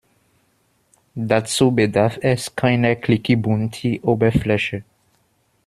Dazu bedarf es keiner klickibunti Oberfläche.